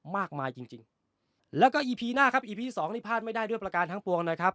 มากมายจริงจริงแล้วก็อีพีหน้าครับอีพีสองนี่พลาดไม่ได้ด้วยประการทั้งปวงนะครับ